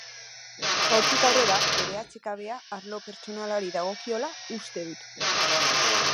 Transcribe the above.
Hortik aurrera, bere atsekabea arlo pertsonalari dagokiola uste dut.